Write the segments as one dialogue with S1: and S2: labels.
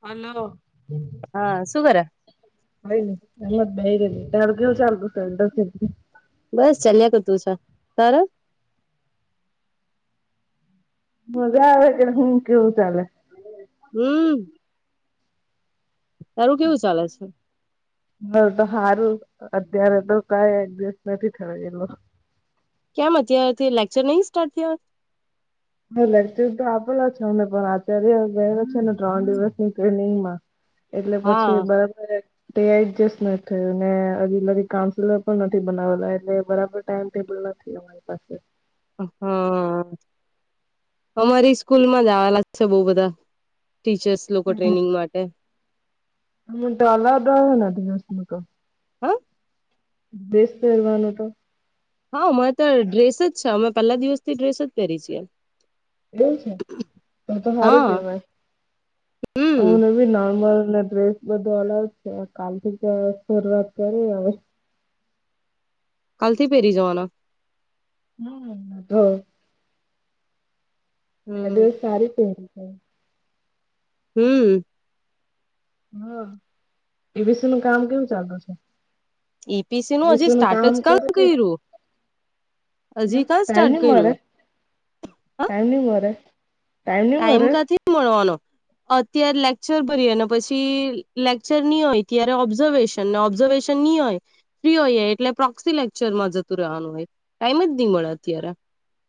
S1: Hello.
S2: હા, શું કરે?
S1: કઈ ની, મતલબ બેહી રેલી. તાર કેવું ચાલતું છે ઇન્ટરશીપ?
S2: બસ, ચાલ્યા કરતું છે. તારે?
S1: મજા આવે છે, હું કેવું ચાલે?
S2: હમ, તારું કેવું ચાલે છે?
S1: મારું તો હારું, અત્યારે તો કઈ એડજસ્ટ નથી થયો એલો.
S2: કેમ અત્યારેથી લેક્ચર નઈ સ્ટાર્ટ થયા?
S1: હન, લેકચર તો આપેલા છે અમને, પણ આચાર્ય ગયેલો છે ને ત્રણ દિવસની ટ્રેનિંગમાં. એટલે પછી
S2: હા
S1: બરાબર તે આ એડજસ્ટ નથ થયું ને, અજી લગી કાઉન્સેલર પણ નથી બનાવેલા એટલે બરાબર ટાઈમ-ટેબલ નથી અ મારી પાસે.
S2: અ હન. અમારી સ્કૂલમાં જ આવેલા છે બઉ બધા ટીચર્સ લોકો ટ્રેનિંગ માટે.
S1: મુલ તાલા દાયને ધીયુસ લોકો [unintelligible]
S2: હે?
S1: દેસ પેરવાનું તો?
S2: હા, અમને તો ડ્રેસ જ છે, અમે પહેલા દિવસથી ડ્રેસ જ પહેરી છીએ.
S1: એવુ છે, તો તો હારું
S2: હા
S1: કેવાય. અમ
S2: હમ
S1: નેબી નોર્મલને ડ્રેસ બધું અલાઉ છે, કાલથી તો શરૂઆત કરી હવે.
S2: કાલથી પેરી જાવાના?
S1: હમ, તો બે દિવસ
S2: હમ
S1: સારી પેરી છે.
S2: હમ.
S1: હન, એવિસીનું કામ કેવુ ચાલતુ છે?
S2: એપીસીનું હજી
S1: એબીસી નું કામ
S2: સ્ટાર્ટજ કાં
S1: કરે કે હ
S2: કર્યું? અજી કા
S1: ટાઈમ
S2: સ્ટાર્ટ
S1: નહી મળે
S2: કર્યું?
S1: ટાઈમ ની મરે?
S2: ટાઈમ કા થી મલવાનો. અત્યાર લેક્ચર ભરીએ ને પછી લેક્ચર ની હોય ત્યારે ઓબ્ઝર્વેશન [unintelligible] ને ઓબ્ઝર્વેશન ની હોય ફ્રી હોઈએ એટલે પ્રોક્સી લેક્ચરમાં જતું રેવાનું હોય ટાઈમ જ ની મળે અત્યારે.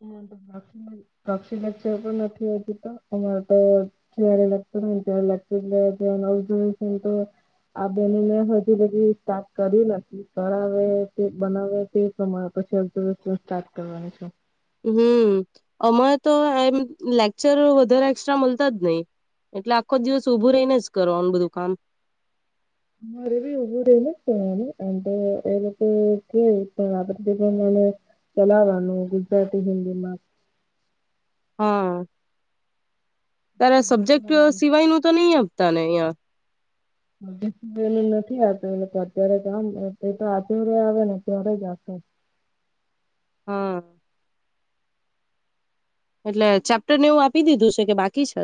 S1: [unintelligible] પ્રોક્ષી લેક્ચર તો નથી હોતુ તો અમાર તો કયારે લેક્ચર હોય ત્યાર લેક્ચર લેવા તો એન આવું જોઈ [unintelligible] તો આ બને મે હજુ લગી સ્ટાર્ટ કર્યું નથી. તળાવે તે બનાવે તે પ્રમાણે પછી [unintelligible] સ્ટાર્ટ કરવાનું છે.
S2: હમ, અમારે તો એમ લેક્ચર વધાર એક્સ્ટ્રા મલતા જ નહિ. એટલે આખો દિવસ ઉભું રહીને જ કરવાનું બધું કામ.
S1: અમારે બી ઉભું રહીને જ કેવાનું એમ તો એ લોકો કે પણ આપડે જે પણ મને ચલાવાનું ગુજરાતી, હિન્દીમાં
S2: હન, તારા
S1: એ તો
S2: સબ્જેક્ટ સિવાયનું તો નઈ આપતાને અહિયા?
S1: એનું નથી આવત એ તો અત્યારે કામ એ તો આધ્યારે આવે ને અ ત્યારે જ આપે.
S2: હા! એટલે ચેપ્ટર ને એવું આપી દીધું છે કે બાકી છે.?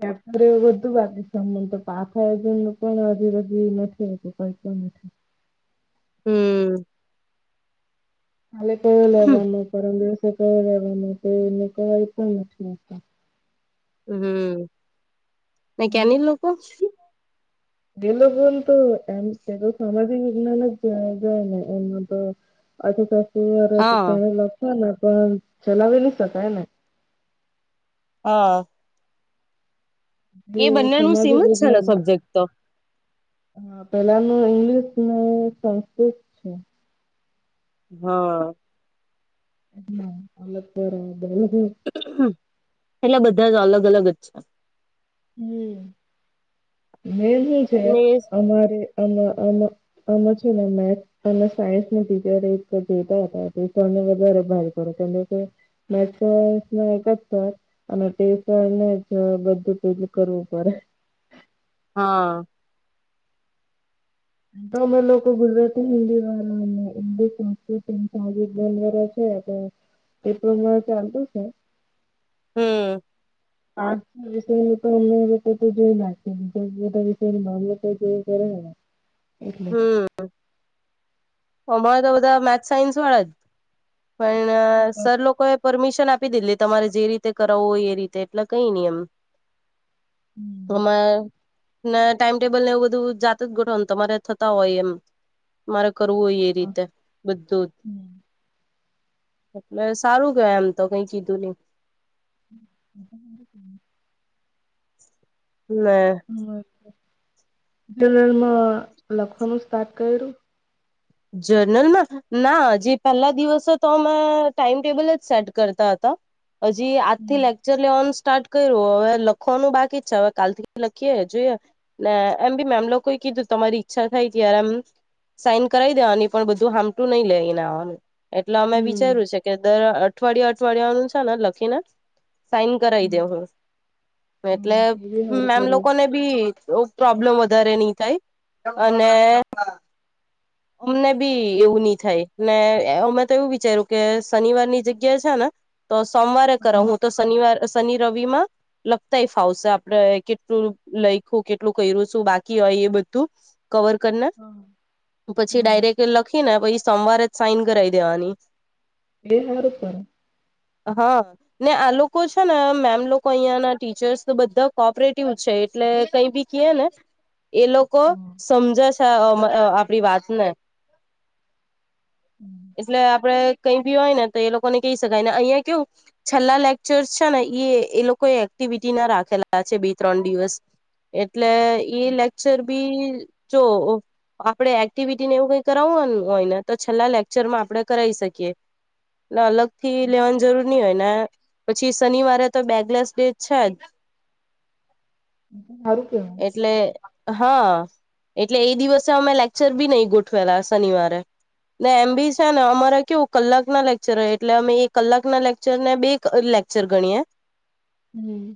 S1: ચેપ્ટર એવું બધું બાકી છે અમુન તો પાછળ [unintelligible] પણ હજી લગી નથી થયું કઈ પણ નથી.
S2: હમ.
S1: કાલે કયો લેવાનો, પરમ દિવસે કયો લેવાનો તો એ લોકો એ પણ નથી મુકતા.
S2: હમ, ને કેની
S1: એટલે
S2: લોકો?
S1: એ લોકો ન તો એમ એ તો સામાજિક વિજ્ઞાન જ જાય જાય ને એમને તો આધી
S2: હા
S1: તેને લખશ ને પણ ચલાવી ન શકાય ને?
S2: હા!
S1: જે
S2: એ બંને ન સીમ
S1: સામાજિક
S2: જ છે ને સબ્જેક્ટ તો?
S1: હા એલા ઇગ્લીિશ, સંસ્કૃત છે.
S2: હમ
S1: ના અપરા [inaudible]
S2: એટલા બધા જ અલગ અલગ જ છે.
S1: હમ મેન હુ છે,
S2: મીન્સ
S1: અમારે આમાં આમાં-' આમાં છે ને મેથ અને સાયન્સની ટીચર એક જતા હતા ટને વધારે ભાર કરડો કે મે એક જ સર અને ને જ બધું જ ફલ કરવું પડે.
S2: હા!
S1: તોમે લોકો ગુજરાતી હિન્દી વાર હંગ સંસ્કૃત ન [inaudible] હ એ પ્રરે ચાલતું છે.
S2: હમ
S1: હા એ વિષય હું તો અમે એ ક તો જોઈ નાખીએ નેધ વિષય તો જોઈ કરેને હમ
S2: હમ અમારે તો બધા મેથસ સાયન્સ વાળા જ પણ સર લોકો એ પરમિશન આપી દીધલી તમારે જે રીતે કરાવવું હોય એ રીતે એટલે કઈ નહી એમ
S1: હમ
S2: તમારે ના ટાઈમ ટેબલ ને એવું બધું જાત જ ગોઠો તમારે થતા હોય એમ. મારે કરવું હોય એ રીતે બધું જ.
S1: હમ
S2: એટલે સારું કેવાય એમ તો કઈ કીધું નહી.
S1: એ
S2: ના
S1: હ જર્નલમાં લખવાનું સ્ટાર્ટ કર્યું?
S2: જર્નલમાં? ના હજી પેલા દિવસે તો અમે ટાઈમ ટેબલ જ સેટ કરતા હતા. હજી આજથી
S1: હમ.
S2: લાગ એટલે ઓન સ્ટાર્ટ કર્યું હવે લખવાનું બાકી જ છે હવે કાલ થી લખીએ જોઈએ. ને એમ બી મેમ લોકોએ કીધું તમારી ઈચ્છા થાય ત્યારે એમ સાઈન કરી દેવાની પણ બધું હમટું નહી લેને આવવાનું એટલે અમે
S1: હમ.
S2: વિચાર્યું છે કે દર અઠ અઠવાડિયા અઠવાડિયામાં છે લખીને સાઈન કરાઈ દે
S1: હમ
S2: હું. એટલે
S1: હમ. એ બી હારું
S2: મેમ
S1: કરે.
S2: લોકો ને બી પ્રોબ્લેમ વધારે નહી થાય અને અમને બી એવું નઈ થાય, ને અમે તો એવું વિચાર્યું કે શનિવાર ની જગ્યા છે ને તો સોમવારે
S1: હા
S2: કરાવ હું તો શનિવાર શનિ રવિ માં લખતાય ફાવશે. આપડે કેટલું લઈખ્યું, કેટલું કર્યું છું બાકી હોય એ બધું. કવર કરને
S1: હા
S2: પછી
S1: હા.
S2: ડાયરેક્ટ લખીને પછી સોમવારે જ સાઈન કરાવી દેવાની.
S1: એ હાર પણ.
S2: હા. ને આ લોકો છે ને મેમ લોકો અહિયાં ના ટીચર્સ તો બધા કોપરેટિવ છે. એટલે કઈ બી કએ ને એ લોકો
S1: હમ
S2: સમજે છે આપડી વાતને
S1: હમ
S2: એટલે આપડે કઈ ભી હોય ને તો એ લોકો ને કહી શકાય ને અહિયાં કેવું? છેલ્લા લેકચર્સ છે ને એ લોકો એક્ટિવિટી ના રાખેલા છે બે ત્રણ દિવસ એટલે એઈ લેક્ચર બી જો આપણે એક્ટિવિટી ને એવું કઈ કરાવવાનું હોય ને તો છેલ્લા લેક્ચરમાં આપણે કરાવી શકીએ. એ અલગ થી લેવાની જરૂર નહી હોય ને પછી શનિવારે તો બેગલેસ ડે છે જ
S1: હારું કેવાય
S2: એટલે હા. એટલે એ દિવસે અમે લેક્ચર બી નહી ગોઠવેલા શનિવારે. ને એમ બી છે ને અમારે કેવું કલાક ના લેક્ચર હોય એટલે અમે એ કલાક ના લેક્ચર ને બે લે લેક્ચર ગણીય
S1: હમ.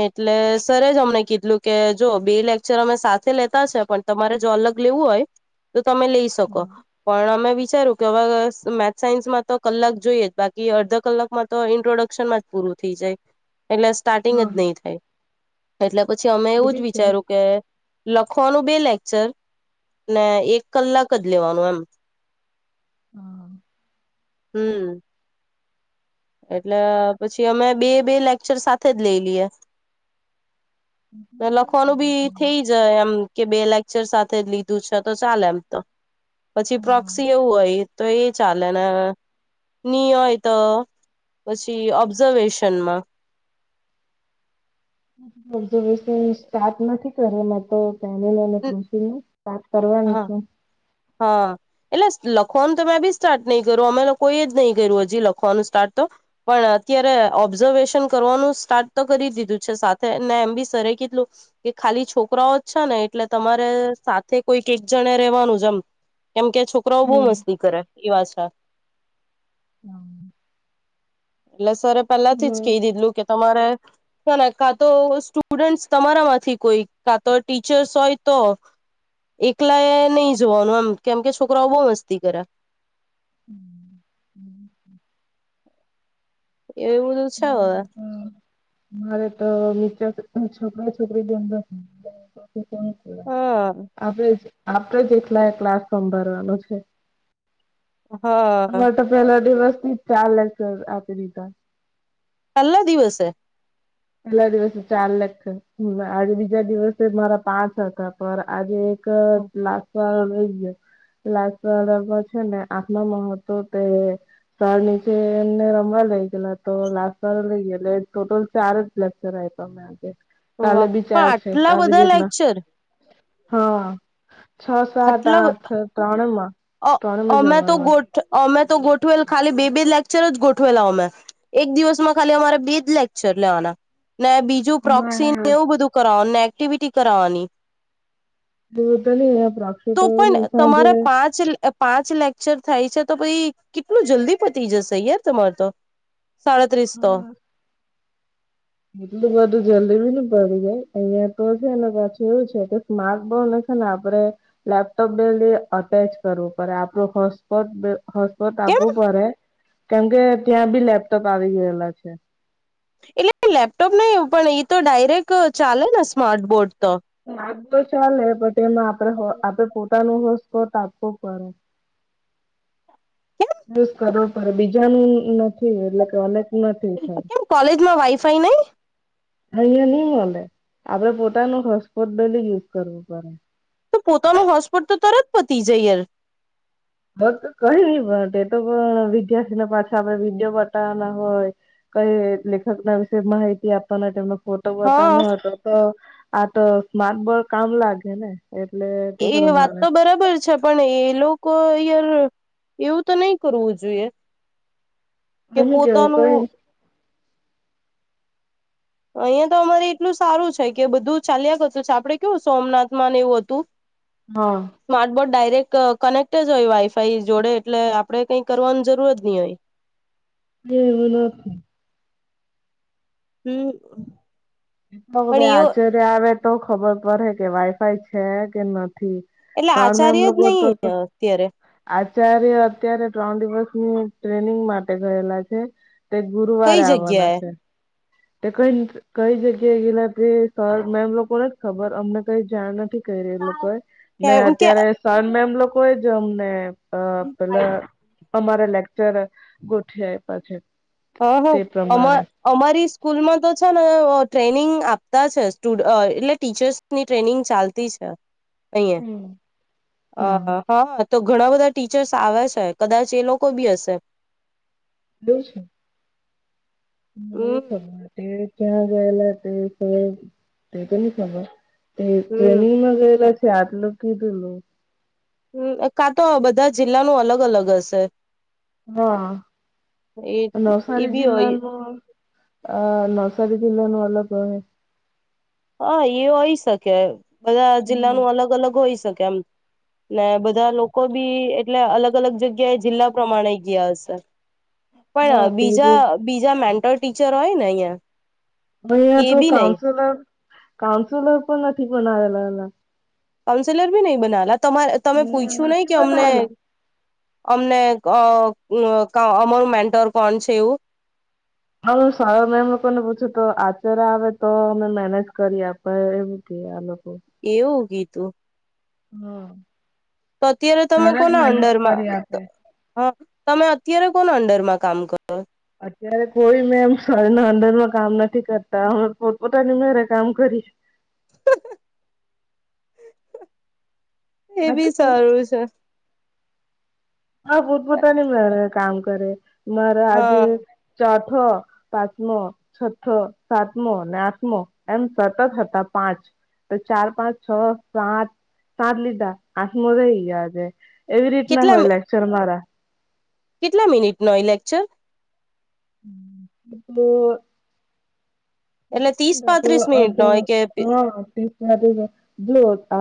S2: એટલે સરે જ અમને કીધું. એલું કે જો બે લેક્ચર અમે સાથે લેતા છે પણ તમારે જો અલગ લેવું હોય તો તમે લઈ શ શકો.
S1: હા.
S2: પણ અમે વિચાર્યું કે હવે મેથ સાયન્સમાં તો કલાક જોઈએ જ બાકી અડધા કલાકમાં તો ઇન્ટ્રોડક્શનમાં જ પૂરું થઈ જાય એટલે સ્ટાર્ટિંગ
S1: હા
S2: જ નહી થાય એટલે પછી અમે
S1: એ
S2: એવું
S1: બી
S2: જ
S1: છે.
S2: વિચાર્યું કે લખવાનું બે લેક્ચર ને એક કલાક જ લેવાનું એમ
S1: હમ
S2: હમ એટલે પછી અમે બે બે લેક્ચર સાથે જ લઈ લઈએ. ને લખવાનું બી થઈ
S1: [unintelligible]
S2: એમ કે બે લેક્ચર સાથે લીધું છે તો ચાલે એમ તો પછી પ્રોક્સી એવું હોય તો એ ચાલેને ની હોય તો પછી ઓબ્ઝર્વેશનમાં
S1: ઓબ્ઝર્વેશન સ્ટાર્ટ નથી કર્યો મે તો. જા લઈને કૃષિ નું વાત કરવાની
S2: હા
S1: છું.
S2: હા. એટલે લખવાનું તો મેમે બી સ્ટાર્ટ નહી કર્યું અમે લોકોએ જ નહી કર્યું હજી લખવાનું સ્ટાર્ટ તો પણ અત્યારે ઓબ્ઝર્વેશન કરવાનું સ્ટાર્ટ તો કરી દીધું છે સાથે ને એમ બી સરરે કેટલું કે ખાલી છોકરાઓ જ છે ને એટલે તમારે સાથે કોઈક એક જણે રેવાનું છે એમ કેમ કે છોકરાઓ બહુ
S1: હમ.
S2: મસ્તી કરે એ વા છે એટલે સરે
S1: હમ.
S2: પહેલાથી જ કહી દીધલું કે તમારે ના ના કા તો સ્ટુડન્ટસ તમારા માંથી કોઈ કા તો ટીચર્સ હોય તો એકલા એ નહી જોવાનું આમ કેમ કે છોકરાઓ બહુ મસ્તી કરે
S1: હમ.
S2: એવ બધું છે હવ
S1: મારે પણ મારે તો બચાર છોકરા છોકરી બે અ
S2: હા
S1: [unintelligible] આપણે આપણેે જ એકલા ક્લાસ સભરવાનું છે.
S2: હા.
S1: અમારે તો પહેલા દિવસ થી ચાર લેક્ચર આપી દીધા.
S2: પેલ્લા દિવસે
S1: પહેલા દિવસે ચાર લેક્ચર આજે બીજા દિવસે મારા પાંચ હતા પર આજે કર ક્લાસ વાળા વહ ગયા. લાસ્ટ વાળા મ છે ને આખ નો મહત્વ તે તર નીચે એમને રમવા લઇ ગેલા તો લાસ વા લઈ ગે ટોટલ ચાર જ લેક્ચર આપવા મેં આજે કાલે
S2: વાહ
S1: બી
S2: પણ
S1: ચાલ છે
S2: આટલા
S1: આવી
S2: બધા
S1: રીતના
S2: લેક્ચર
S1: હા છ સાત આ
S2: આટલા
S1: અઠ ત્રણમાં
S2: અ
S1: ત્રણમાં
S2: અમે તો
S1: જવાનું
S2: ગોઠ અમે તો ગોઠવેલ ખાલી બે બે લેક્ચર જ ગોઠવેલા અમે એક દિવસમાં ખાલી અમારે બેજ લેક્ચર લેવાના ને બીજ પ્રોક્સન
S1: અમારા
S2: એવું બધું કરવાનુંને એક્ટિવિટી કરાવવાની.
S1: દૂર તો ન પ્રક્ષ
S2: તો પણ તમારા પાંચ પાંચ લેક્ચર થાય છે તો પછી કેટલું જલ્દી પતી જશે યાર તમાર તો સાડત્રીસ તો.
S1: એટલ બધું જલ્દી બી ન પડી જાય અહિયાં તો હ છે એના પાછું એવું છે. સ્માર્ક બોન છે ને આપડે લેપટોપ ડ લ અટેચ કરવું પડે આપડું હ સ્ હોસ્પટ
S2: કેમ
S1: આપવું પડે કેમકે ત્યાં બી લેપટોપ આવી ગયેલા છે.
S2: એટલે લેપટોપ નહી એવું પણ એ તો ડાયરેક્ટ ચાલે ને સ્માર્ટ બોર્ડ તો
S1: ચાલે પણટ એમાં આપડે આપડે પોતાનું હોસકો તો આપવો પડે.
S2: [unintelligible]
S1: યુ કરો પડે બીજાનું નથી એટલે કે પણા થ
S2: કેમ
S1: થાય.
S2: કેમ કોલેજમાં વાઈફાઈ નહી
S1: અહંયા નહી મળે આપડે પોતાનું હોસપોટ ડેલી યુઝ કરવું પડે.
S2: તો પોતાનો હોસ્પોટ તો તરત પતી જાય યાર
S1: હ કઈ નહી પણ તે તો પણ વિદ્યાર્થીને પાછા આપડણે વિડીયો બતાવવાના હોય. કઈ લેખક ના વિશે માહિતી આપવાનાનું તો બતા
S2: હા
S1: ન હતો તો આ તો સ્માર્ટ બોર્ડ કામ લાગે ને એટલે તે
S2: એ વાત
S1: પ્રમાણે
S2: તો બરાબર છે. પણ એ લોકો યાર એવું તો નહી કરવું જોઈએ કે
S1: મ ગયો હોય
S2: પોતાનું
S1: કોઈ.
S2: અહિયાં તો અમારે એટલું સારું છે કે બધું ચાલ્યા ગતું છે આપડે કેવું સોમનાથમાં ને એવું હતું. [inaudible]
S1: હા.
S2: સ્માર્ટ બોર્ડ ડાયરેક્ટ કનેક્ટજ હોય વાઈફાઈ જોડે એટલે આપડે કઈ કરવાની જરૂર જ નહી હોય.
S1: એવ વલો.
S2: હમ પણ
S1: ભાઈ
S2: એવ
S1: આચર્ય આવે તો ખબર પડે કે વાઈફાઈ છે કે નથી.
S2: એટલે
S1: સર મેમ
S2: આચાર્ય જ
S1: લોકો
S2: નહી
S1: તો
S2: અત્યારે
S1: આચાર્ય અત્યારે ત્રણ દિવસની ટ્રેનિંગ માટે ગયેલા છે. તે ગુરુવારે
S2: કઈ
S1: આવવાના
S2: જગ્યાએ
S1: છે તે કઈક. કઈ જગ્યાએ ગયલા તે સર મેમ લોકોને જ ખબર અમને કઈ જાણ નથી. એ લોકો ને
S2: કેમ કે
S1: અત્યારે સાન મે એમ લોકો અમને અ પેલા અમારે લેકચર ગોઠ આપ્યા છે.
S2: હ હ
S1: તે
S2: અમા
S1: પ્રમાણે
S2: અમારી સ્કૂલમાં તો છે ને ટ્રેનિંગ આપતા છે્ટુ એટલે ટીચર્સ ની ટ્રેનિંગ ચાલતી છે
S1: હમ
S2: અહીંયા
S1: હા
S2: અ. હા તો ઘણા બધા ટીચર્સ આવે છે કદાચ એ લોકો બી હશે.
S1: બું છે. મને
S2: હમ
S1: ખબર તે ક્યાં ગયેલા તે ક તે કે ખબર એ
S2: હમ
S1: ટ્રેનિંગમાં ગયેલા છે આત લોકો કીધુંલું.
S2: હમ કાં તો બધા જિલ્લાનું અલગ અલગ હશે.
S1: હા
S2: એ એ
S1: નવસારી
S2: બી હોય
S1: જિલ્લાનું. અ નર્સારી દ લનું અલપ
S2: હા એ હોય શકે બધા
S1: હમ
S2: જિલ્લાનું અલગ અલગ હોઈ શકે એમ. ને બધા લોકો બી એટલે અલગ અલગ જગ્યા એ જિલ્લા પ્રમાણે ગયા હશે.
S1: હા
S2: પણ
S1: તે
S2: બીજા બીજા મેન્ટલ ટીચર હોય ને અહિયાં. કે
S1: અયા તો
S2: બી નહી
S1: કાઉન્સુલર કાઉન્સુલર પણ નથી બનાવેલા અઇયા.
S2: કાઉન્સેલર બી નહી બનાલા તમારે તમે
S1: ને
S2: પૂછ્યું નહી
S1: નથી
S2: કે અમને
S1: બનાવેલા
S2: અમને અ અમારું મેન્ટર કોણ છે એવું
S1: હાું સા મેમ લોકો ને પૂછું તો આચર્ય આવે તો અમે મેનેજ કરી એમ. ઉપાય એમતી આનક [unintelligible]
S2: એવું ગીતું.
S1: હમ.
S2: તો અત્યારે તમે કોના અંડરમાં
S1: કરી આપે
S2: હા તમે અત્યારે કોણ અંડરમાં કામ કરો?
S1: અત્યારે કોઈ મેમ શરના અંદરમાં કામ નથી કરતા હ પોતપોતાની મેરે કામ કરી.
S2: એ બી સારું છે.
S1: હા ભૂતપોતાની મે કામ કરે, મારા આજે
S2: હા
S1: ચોથો. પાંચમો છથ સાતમો અને આઠમો એમ સતત હતા પાંચ. તો ચાર પાંચ છ સાત સાત લીધા આઠ મો રઈ ગયાજે. એવી રીતના
S2: કેટલા
S1: હોય લેક્ચર મારા.
S2: કેટલા મિનિટ નો એ લેક્ચર?
S1: [unintelligible]
S2: એટલે ત્રીસ પાંત્રીસ મિનિટ
S1: હા
S2: નો હોય કે
S1: બલ [unintelligible]